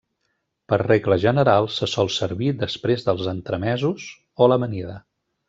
Per regla general se sol servir després dels entremesos o l'amanida.